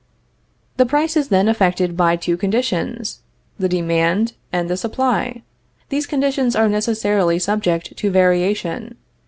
The price is then affected by two conditions the demand and the supply. These conditions are necessarily subject to variation.